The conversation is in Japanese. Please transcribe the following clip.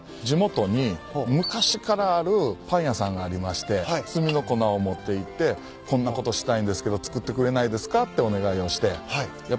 地元に昔からあるパン屋さんがありまして炭の粉を持っていって「こんなことしたいんですけど作ってくれないですか？」ってお願いをして。